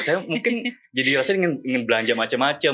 saya mungkin jadi rasa ingin belanja macam macam